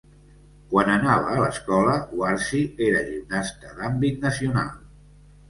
Quan anava a l'escola, Warsi era gimnasta d'àmbit nacional.